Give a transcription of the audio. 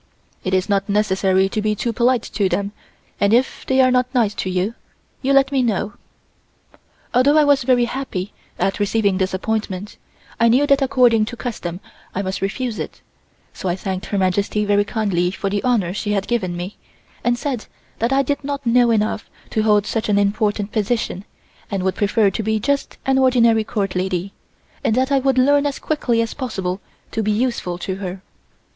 It is not necessary to be too polite to them and if they are not nice to you, you let me know." Although I was very happy at receiving this appointment, I knew that according to custom I must refuse it, so I thanked Her Majesty very kindly for the honor she had given me and said that I did not know enough to hold such an important position and would prefer to be just an ordinary Court lady, and that I would learn as quickly as possible to be useful to her.